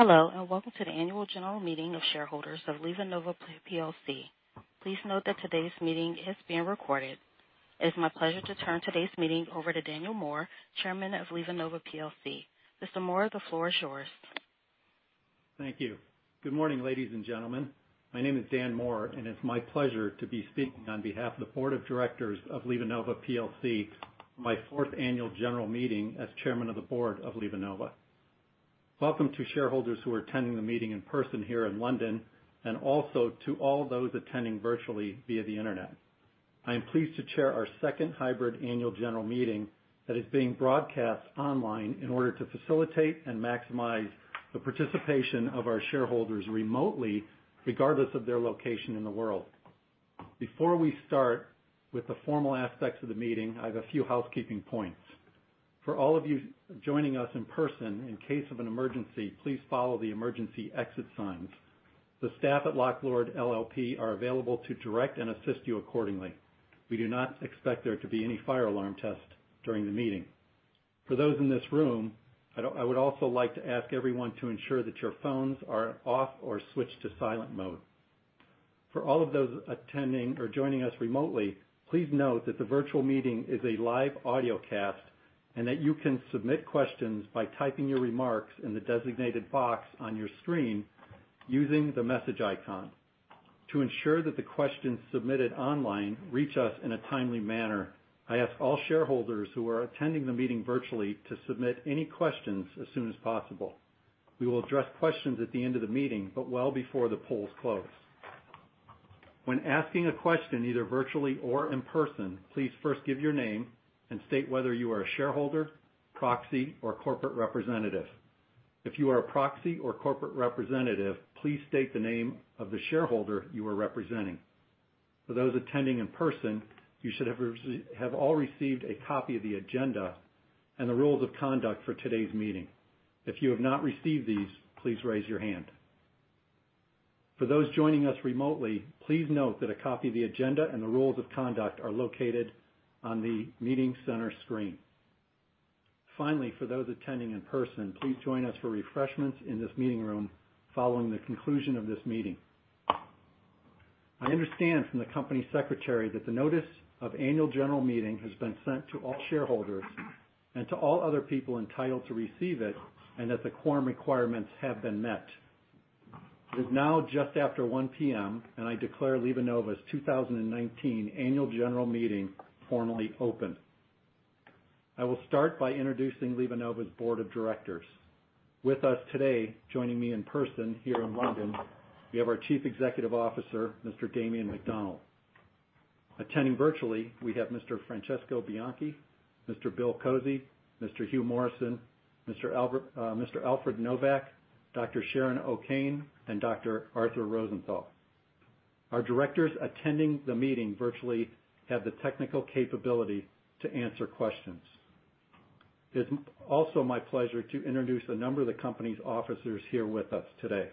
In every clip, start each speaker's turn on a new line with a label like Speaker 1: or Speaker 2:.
Speaker 1: Hello, welcome to the annual general meeting of shareholders of LivaNova PLC. Please note that today's meeting is being recorded. It is my pleasure to turn today's meeting over to Daniel Moore, Chairman of LivaNova PLC. Mr. Moore, the floor is yours.
Speaker 2: Thank you. Good morning, ladies and gentlemen. My name is Dan Moore, it's my pleasure to be speaking on behalf of the Board of Directors of LivaNova PLC, my fourth annual general meeting as Chairman of the Board of LivaNova. Welcome to shareholders who are attending the meeting in person here in London, also to all those attending virtually via the internet. I am pleased to chair our second hybrid annual general meeting that is being broadcast online in order to facilitate and maximize the participation of our shareholders remotely, regardless of their location in the world. Before we start with the formal aspects of the meeting, I have a few housekeeping points. For all of you joining us in person, in case of an emergency, please follow the emergency exit signs. The staff at Locke Lord LLP are available to direct and assist you accordingly. We do not expect there to be any fire alarm test during the meeting. For those in this room, I would also like to ask everyone to ensure that your phones are off or switched to silent mode. For all of those attending or joining us remotely, please note that the virtual meeting is a live audiocast, you can submit questions by typing your remarks in the designated box on your screen using the message icon. To ensure that the questions submitted online reach us in a timely manner, I ask all shareholders who are attending the meeting virtually to submit any questions as soon as possible. We will address questions at the end of the meeting, well before the polls close. When asking a question, either virtually or in person, please first give your name and state whether you are a shareholder, proxy, or corporate representative. If you are a proxy or corporate representative, please state the name of the shareholder you are representing. For those attending in person, you should have all received a copy of the agenda and the rules of conduct for today's meeting. If you have not received these, please raise your hand. For those joining us remotely, please note that a copy of the agenda and the rules of conduct are located on the meeting center screen. Finally, for those attending in person, please join us for refreshments in this meeting room following the conclusion of this meeting. I understand from the Company Secretary that the notice of annual general meeting has been sent to all shareholders to all other people entitled to receive it, that the quorum requirements have been met. It is now just after 1:00 P.M., I declare LivaNova's 2019 annual general meeting formally open. I will start by introducing LivaNova's board of directors. With us today, joining me in person here in London, we have our Chief Executive Officer, Mr. Damien McDonald. Attending virtually, we have Mr. Francesco Bianchi, Mr. Bill Kozy, Mr. Hugh Morrison, Mr. Alfred Novak, Dr. Sharon O'Kane, and Dr. Arthur Rosenthal. Our directors attending the meeting virtually have the technical capability to answer questions. It's also my pleasure to introduce a number of the company's officers here with us today.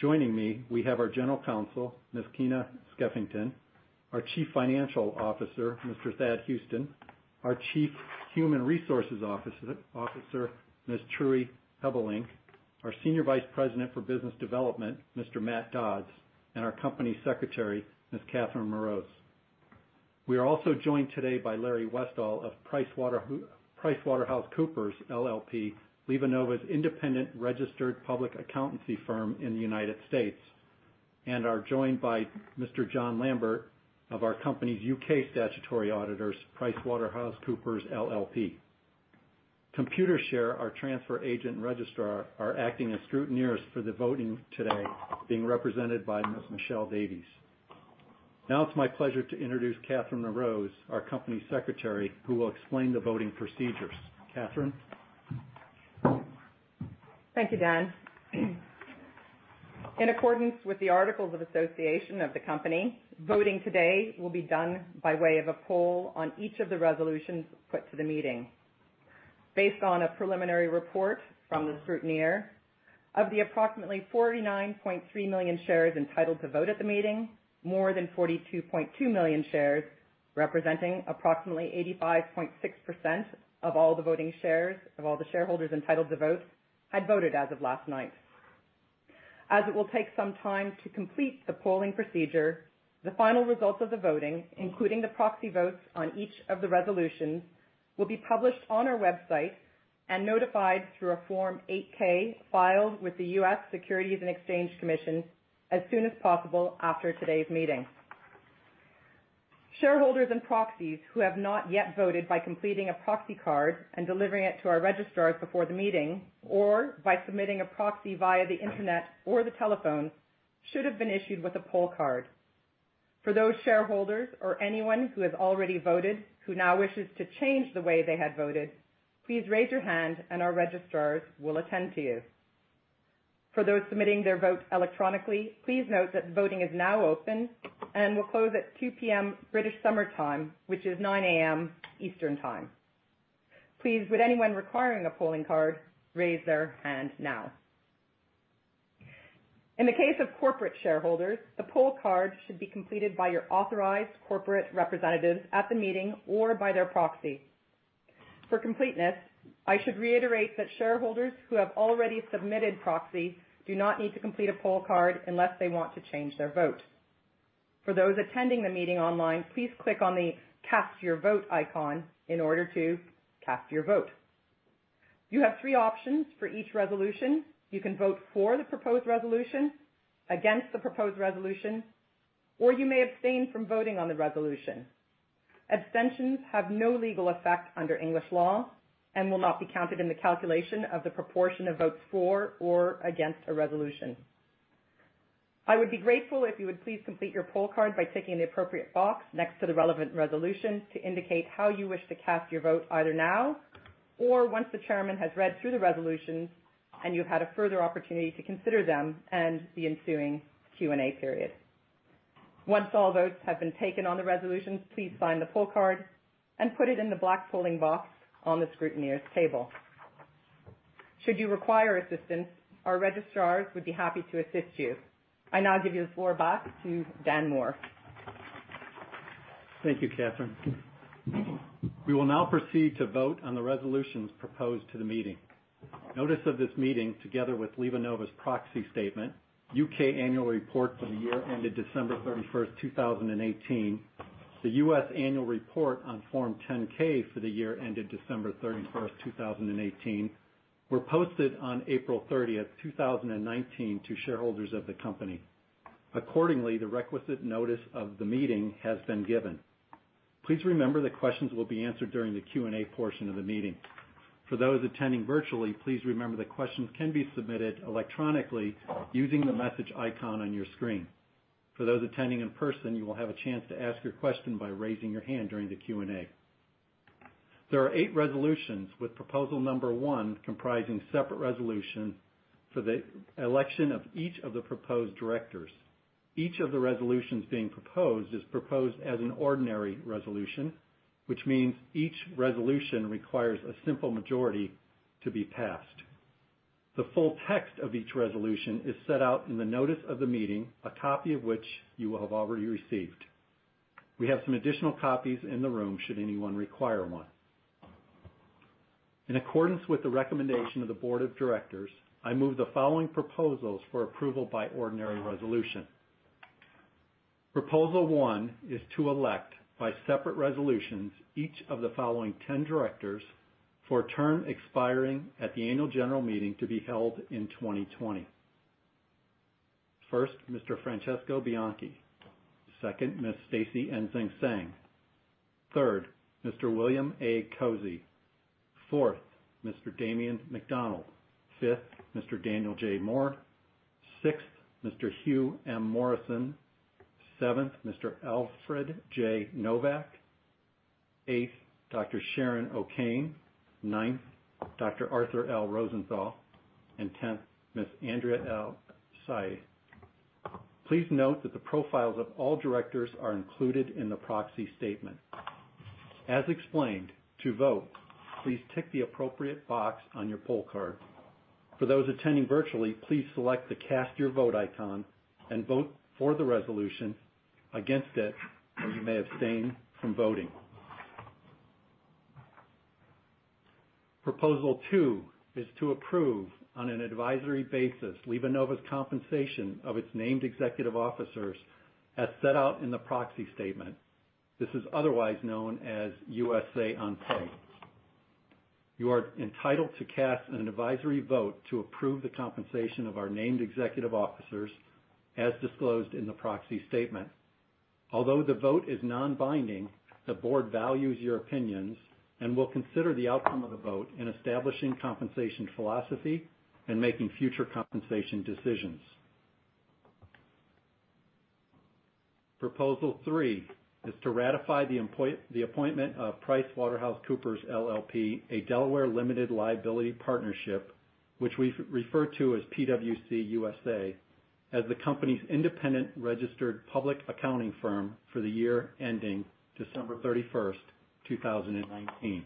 Speaker 2: Joining me, we have our General Counsel, Ms. Keyna Skeffington, our Chief Financial Officer, Mr. Thad Huston, our Chief Human Resources Officer, Ms. Turi Hebbink, our Senior Vice President for Business Development, Mr. Matt Dodds, and our Company Secretary, Ms. Catherine Moros. We are also joined today by Larry Westall of PricewaterhouseCoopers LLP, LivaNova's independent registered public accountancy firm in the U.S., and are joined by Mr. John Lambert of our company's U.K. statutory auditors, PricewaterhouseCoopers LLP. Computershare, our transfer agent registrar, are acting as scrutineers for the voting today, being represented by Ms. Michelle Davies. Now it's my pleasure to introduce Catherine Moros, our Company Secretary, who will explain the voting procedures. Catherine?
Speaker 3: Thank you, Dan. In accordance with the articles of association of the company, voting today will be done by way of a poll on each of the resolutions put to the meeting. Based on a preliminary report from the scrutineer, of the approximately 49.3 million shares entitled to vote at the meeting, more than 42.2 million shares, representing approximately 85.6% of all the voting shares of all the shareholders entitled to vote, had voted as of last night. As it will take some time to complete the polling procedure, the final results of the voting, including the proxy votes on each of the resolutions, will be published on our website and notified through a Form 8-K filed with the U.S. Securities and Exchange Commission as soon as possible after today's meeting. Shareholders and proxies who have not yet voted by completing a proxy card and delivering it to our registrars before the meeting, or by submitting a proxy via the Internet or the telephone, should have been issued with a poll card. For those shareholders or anyone who has already voted, who now wishes to change the way they had voted, please raise your hand and our registrars will attend to you. For those submitting their vote electronically, please note that voting is now open and will close at 2:00 P.M. British Summer Time, which is 9:00 A.M. Eastern Time. Please, would anyone requiring a polling card raise their hand now? In the case of corporate shareholders, the poll card should be completed by your authorized corporate representatives at the meeting or by their proxy. For completeness, I should reiterate that shareholders who have already submitted proxies do not need to complete a poll card unless they want to change their vote. For those attending the meeting online, please click on the Cast Your Vote icon in order to cast your vote. You have three options for each resolution. You can vote for the proposed resolution, against the proposed resolution, or you may abstain from voting on the resolution. Abstentions have no legal effect under English law and will not be counted in the calculation of the proportion of votes for or against a resolution. I would be grateful if you would please complete your poll card by ticking the appropriate box next to the relevant resolution to indicate how you wish to cast your vote either now or once the chairman has read through the resolutions, and you've had a further opportunity to consider them in the ensuing Q&A period. Once all votes have been taken on the resolutions, please sign the poll card and put it in the black polling box on the scrutineer's table. Should you require assistance, our registrars would be happy to assist you. I now give the floor back to Dan Moore.
Speaker 2: Thank you, Catherine. We will now proceed to vote on the resolutions proposed to the meeting. Notice of this meeting, together with LivaNova's proxy statement, U.K. annual report for the year ended December 31st, 2018, the U.S. annual report on Form 10-K for the year ended December 31st, 2018, were posted on April 30th, 2019, to shareholders of the company. Accordingly, the requisite notice of the meeting has been given. Please remember that questions will be answered during the Q&A portion of the meeting. For those attending virtually, please remember that questions can be submitted electronically using the message icon on your screen. For those attending in person, you will have a chance to ask your question by raising your hand during the Q&A. There are eight resolutions, with proposal number one comprising separate resolutions for the election of each of the proposed directors. Each of the resolutions being proposed is proposed as an ordinary resolution, which means each resolution requires a simple majority to be passed. The full text of each resolution is set out in the notice of the meeting, a copy of which you will have already received. We have some additional copies in the room, should anyone require one. In accordance with the recommendation of the board of directors, I move the following proposals for approval by ordinary resolution. Proposal one is to elect, by separate resolutions, each of the following 10 directors for a term expiring at the annual general meeting to be held in 2020. First, Mr. Francesco Bianchi. Second, Ms. Stacy Enxing Seng. Third, Mr. William A. Kozy. Fourth, Mr. Damien McDonald. Fifth, Mr. Daniel J. Moore. Sixth, Mr. Hugh M. Morrison. Seventh, Mr. Alfred J. Novak. Eighth, Dr. Sharon O'Kane. Ninth, Dr. Arthur L. Rosenthal. 10th, Ms. Andrea L. Saia. Please note that the profiles of all directors are included in the proxy statement. As explained, to vote, please tick the appropriate box on your poll card. For those attending virtually, please select the Cast Your Vote icon and vote for the resolution, against it, or you may abstain from voting. Proposal 2 is to approve, on an advisory basis, LivaNova's compensation of its named executive officers as set out in the proxy statement. This is otherwise known as Say on Pay. You are entitled to cast an advisory vote to approve the compensation of our named executive officers as disclosed in the proxy statement. Although the vote is non-binding, the board values your opinions and will consider the outcome of the vote in establishing compensation philosophy and making future compensation decisions. Proposal 3 is to ratify the appointment of PricewaterhouseCoopers LLP, a Delaware limited liability partnership, which we refer to as PwC USA, as the company's independent registered public accounting firm for the year ending December 31st, 2019.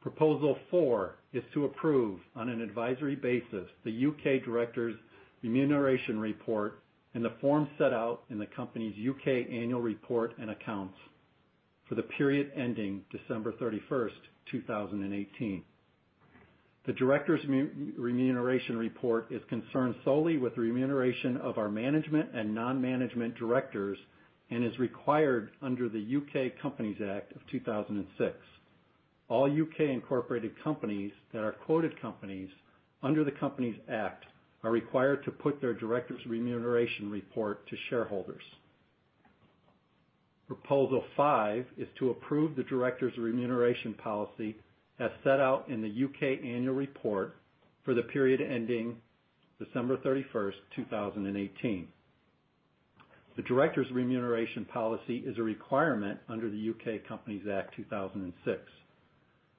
Speaker 2: Proposal 4 is to approve, on an advisory basis, the U.K. directors' remuneration report in the form set out in the company's U.K. annual report and accounts for the period ending December 31st, 2018. The directors' remuneration report is concerned solely with remuneration of our management and non-management directors and is required under the U.K. Companies Act 2006. All U.K.-incorporated companies that are quoted companies under the Companies Act are required to put their directors' remuneration report to shareholders. Proposal 5 is to approve the directors' remuneration policy as set out in the U.K. annual report for the period ending December 31st, 2018. The directors' remuneration policy is a requirement under the U.K. Companies Act 2006.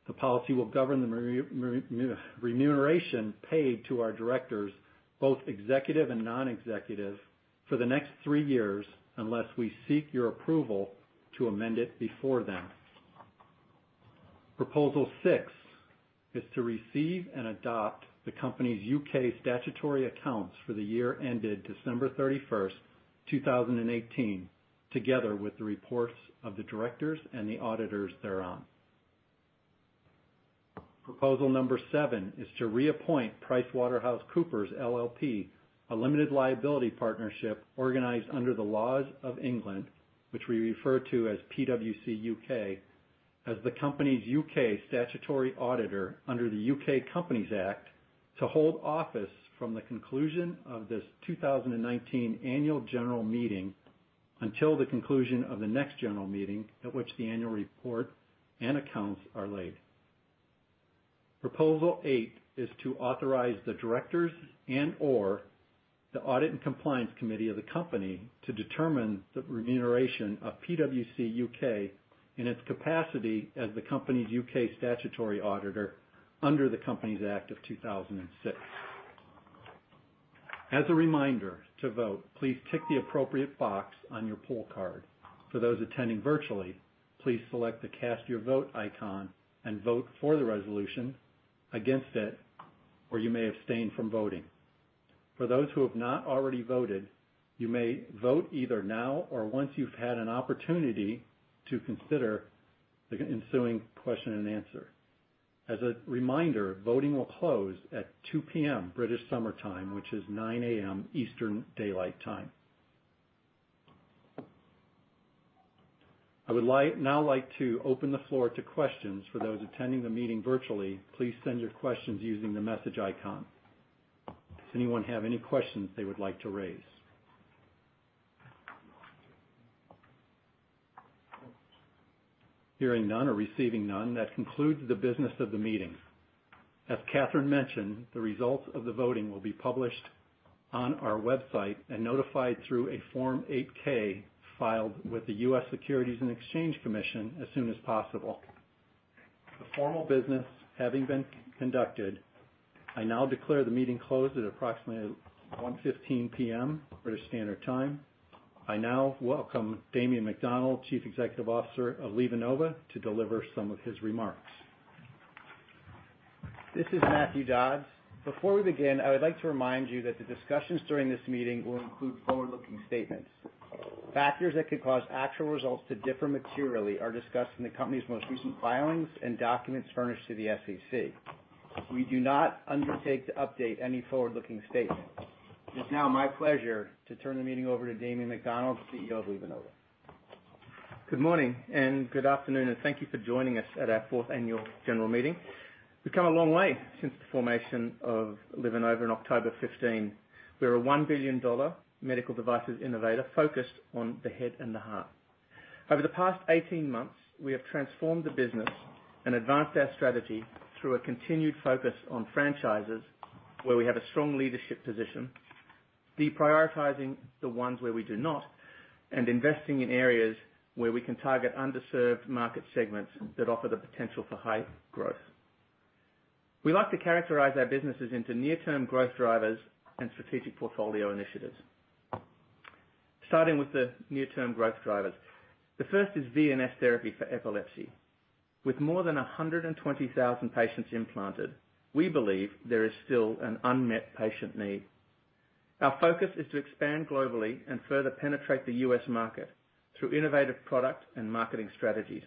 Speaker 2: The policy will govern the remuneration paid to our directors, both executive and non-executive, for the next three years, unless we seek your approval to amend it before then. Proposal 6 is to receive and adopt the company's U.K. statutory accounts for the year ended December 31st, 2018, together with the reports of the directors and the auditors thereon. Proposal number 7 is to reappoint PricewaterhouseCoopers LLP, a limited liability partnership organized under the laws of England, which we refer to as PwC U.K., as the company's U.K. statutory auditor under the U.K. Companies Act, to hold office from the conclusion of this 2019 annual general meeting until the conclusion of the next general meeting at which the annual report and accounts are laid. Proposal 8 is to authorize the directors and/or the audit and compliance committee of the company to determine the remuneration of PwC U.K. in its capacity as the company's U.K. statutory auditor under the Companies Act 2006. As a reminder, to vote, please tick the appropriate box on your poll card. For those attending virtually, please select the Cast Your Vote icon and vote for the resolution, against it, or you may abstain from voting. For those who have not already voted, you may vote either now or once you've had an opportunity to consider the ensuing question and answer. As a reminder, voting will close at 2:00 P.M. British Summer Time, which is 9:00 A.M. Eastern Daylight Time. I would now like to open the floor to questions. For those attending the meeting virtually, please send your questions using the message icon. Does anyone have any questions they would like to raise? Hearing none or receiving none, that concludes the business of the meeting. As Catherine mentioned, the results of the voting will be published on our website and notified through a Form 8-K filed with the U.S. Securities and Exchange Commission as soon as possible. The formal business having been conducted, I now declare the meeting closed at approximately 1:15 P.M. British Summer Time. I now welcome Damien McDonald, Chief Executive Officer of LivaNova, to deliver some of his remarks.
Speaker 4: This is Matthew Dodds. Before we begin, I would like to remind you that the discussions during this meeting will include forward-looking statements. Factors that could cause actual results to differ materially are discussed in the company's most recent filings and documents furnished to the SEC. We do not undertake to update any forward-looking statements. It's now my pleasure to turn the meeting over to Damien McDonald, CEO of LivaNova.
Speaker 5: Good morning and good afternoon. Thank you for joining us at our fourth annual general meeting. We've come a long way since the formation of LivaNova in October 2015. We're a $1 billion medical devices innovator focused on the head and the heart. Over the past 18 months, we have transformed the business and advanced our strategy through a continued focus on franchises where we have a strong leadership position, deprioritizing the ones where we do not, and investing in areas where we can target underserved market segments that offer the potential for high growth. We like to characterize our businesses into near-term growth drivers and strategic portfolio initiatives. Starting with the near-term growth drivers. The first is VNS Therapy for epilepsy. With more than 120,000 patients implanted, we believe there is still an unmet patient need. Our focus is to expand globally and further penetrate the U.S. market through innovative product and marketing strategies.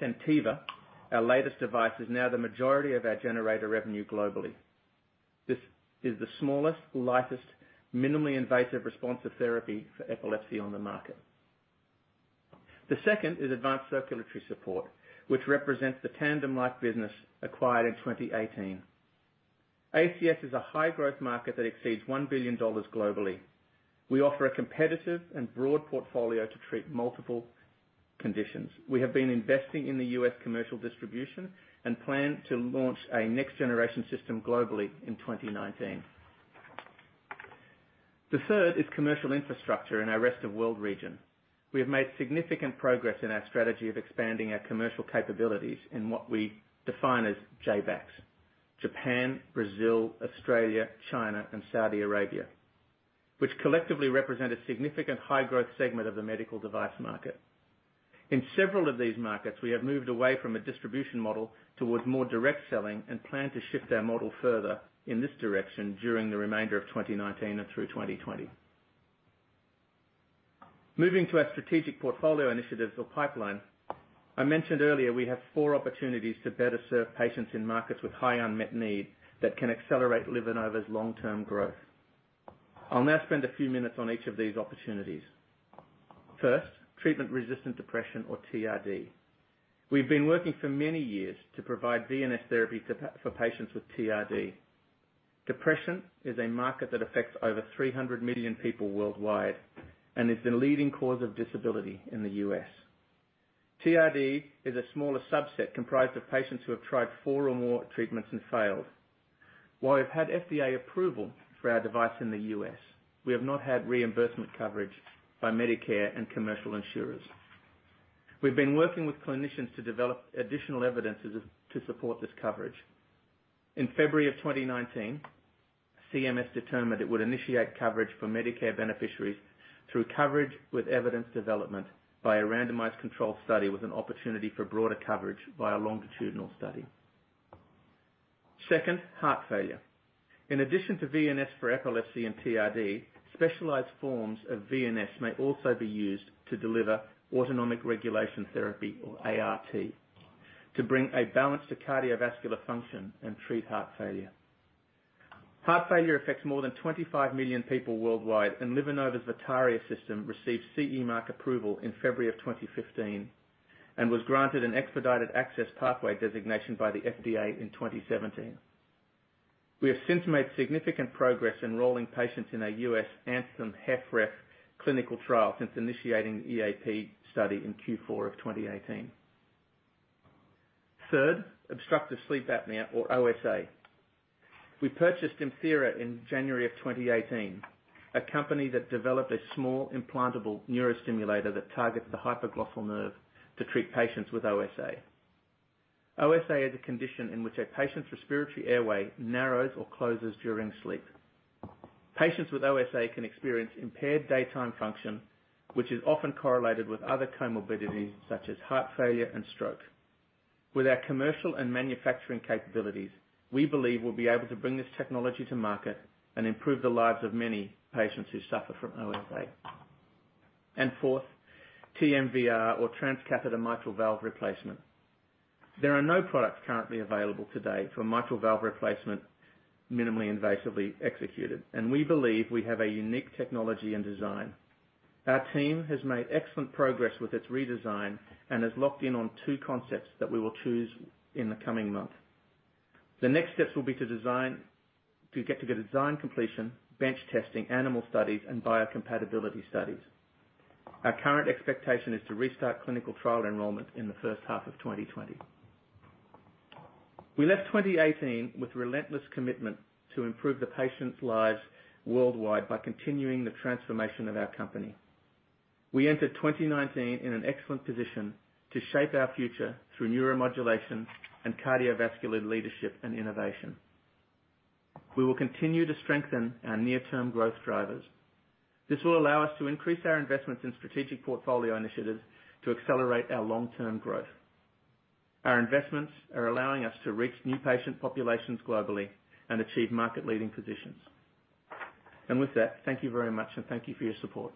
Speaker 5: SenTiva, our latest device, is now the majority of our generator revenue globally. This is the smallest, lightest, minimally invasive responsive therapy for epilepsy on the market. The second is Advanced Circulatory Support, which represents the TandemLife business acquired in 2018. ACS is a high-growth market that exceeds $1 billion globally. We offer a competitive and broad portfolio to treat multiple conditions. We have been investing in the U.S. commercial distribution and plan to launch a next-generation system globally in 2019. The third is commercial infrastructure in our rest of world region. We have made significant progress in our strategy of expanding our commercial capabilities in what we define as JBACS, Japan, Brazil, Australia, China, and Saudi Arabia, which collectively represent a significant high-growth segment of the medical device market. In several of these markets, we have moved away from a distribution model towards more direct selling and plan to shift our model further in this direction during the remainder of 2019 and through 2020. Moving to our strategic portfolio initiatives or pipeline. I mentioned earlier we have four opportunities to better serve patients in markets with high unmet need that can accelerate LivaNova's long-term growth. I'll now spend a few minutes on each of these opportunities. First, treatment-resistant depression or TRD. We've been working for many years to provide VNS Therapy for patients with TRD. Depression is a market that affects over 300 million people worldwide and is the leading cause of disability in the U.S. TRD is a smaller subset comprised of patients who have tried four or more treatments and failed. While we've had FDA approval for our device in the U.S., we have not had reimbursement coverage by Medicare and commercial insurers. We've been working with clinicians to develop additional evidences to support this coverage. In February of 2019, CMS determined it would initiate coverage for Medicare beneficiaries through coverage with evidence development by a randomized controlled study with an opportunity for broader coverage by a longitudinal study. Second, heart failure. In addition to VNS for epilepsy and TRD, specialized forms of VNS may also be used to deliver Autonomic Regulation Therapy, or ART, to bring a balance to cardiovascular function and treat heart failure. Heart failure affects more than 25 million people worldwide, and LivaNova's VITARIA system received CE mark approval in February of 2015, and was granted an expedited access pathway designation by the FDA in 2017. We have since made significant progress enrolling patients in our U.S. ANTHEM-HFrEF clinical trial since initiating the EAP study in Q4 of 2018. Third, obstructive sleep apnea, or OSA. We purchased ImThera in January of 2018, a company that developed a small implantable neurostimulator that targets the hypoglossal nerve to treat patients with OSA. OSA is a condition in which a patient's respiratory airway narrows or closes during sleep. Patients with OSA can experience impaired daytime function, which is often correlated with other comorbidities such as heart failure and stroke. With our commercial and manufacturing capabilities, we believe we'll be able to bring this technology to market and improve the lives of many patients who suffer from OSA. Fourth, TMVR, or transcatheter mitral valve replacement. There are no products currently available today for mitral valve replacement minimally invasively executed, and we believe we have a unique technology and design. Our team has made excellent progress with its redesign and has locked in on two concepts that we will choose in the coming month. The next steps will be to get to the design completion, bench testing, animal studies, and biocompatibility studies. Our current expectation is to restart clinical trial enrollment in the first half of 2020. We left 2018 with relentless commitment to improve the patients' lives worldwide by continuing the transformation of our company. We entered 2019 in an excellent position to shape our future through neuromodulation and cardiovascular leadership and innovation. We will continue to strengthen our near-term growth drivers. This will allow us to increase our investments in strategic portfolio initiatives to accelerate our long-term growth. Our investments are allowing us to reach new patient populations globally and achieve market-leading positions. With that, thank you very much, and thank you for your support.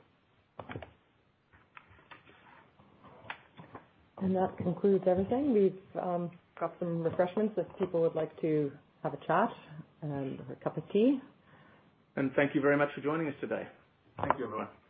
Speaker 3: That concludes everything. We've got some refreshments if people would like to have a chat or a cup of tea.
Speaker 5: Thank you very much for joining us today. Thank you, everyone.